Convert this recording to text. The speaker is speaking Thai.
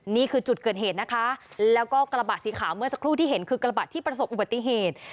นี่คือจุดเกิดเหตุนะคะแล้วก็กระบะสีขาวเมื่อสักครู่ที่เห็นคือกระบะที่ประสบอุบัติเหตุ